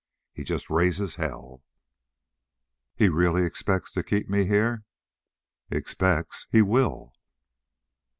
He just raises hell." "He really expects to keep me here?" "Expects? He will."